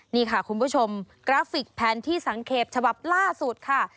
นี่ค่ะคุณผู้ชมกราฟิกแผนที่สังเกตฉบับล่าสุดค่ะ